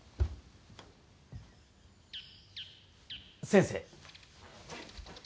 先生。